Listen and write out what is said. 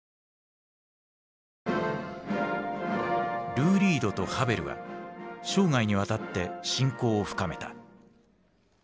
ルー・リードとハヴェルは生涯にわたって親交を深めた。